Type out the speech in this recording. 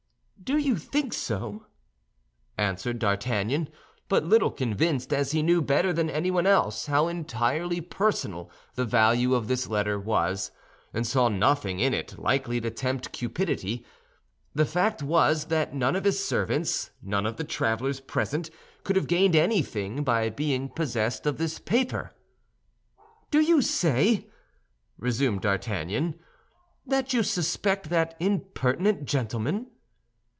"Do you think so?" answered D'Artagnan, but little convinced, as he knew better than anyone else how entirely personal the value of this letter was, and saw nothing in it likely to tempt cupidity. The fact was that none of his servants, none of the travelers present, could have gained anything by being possessed of this paper. "Do you say," resumed D'Artagnan, "that you suspect that impertinent gentleman?"